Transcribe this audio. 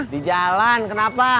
di jalan kenapa